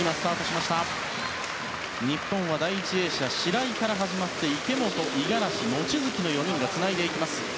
日本は第１泳者白井から始まって池本、五十嵐、望月の４人がつないでいきます。